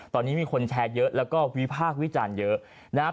ตอนนี้มีคนแชร์เยอะแล้วก็วิพากษ์วิจารณ์เยอะนะฮะ